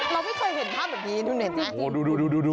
เราไม่เคยเห็นภาพแบบนี้ดู